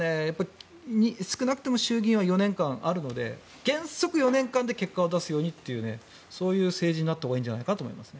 少なくとも衆議院は４年間あるので原則４年間で結果を出すようにという政治になったほうがいいんじゃないかと。